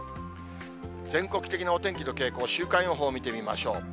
全国的なお天気の傾向、週間予報を見てみましょう。